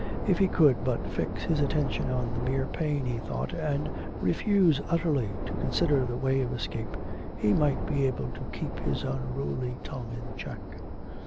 If he could but fix his attention on the mere pain, he thought, and re fuse utterly to consider the way of escape, he might be able to keep his unruly tongue in check.